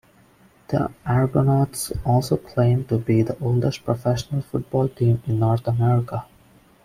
The Argonauts also claim to be the oldest professional football team in North America.